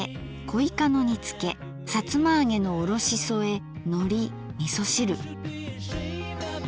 小いかの煮つけさつまあげのおろしそえのりみそ汁。